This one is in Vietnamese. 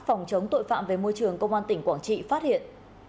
phòng chống tội phạm về môi trường công an tỉnh quảng trị phát hiện